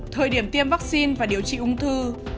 thời điểm tiêm vắc xin và điều trị ung thư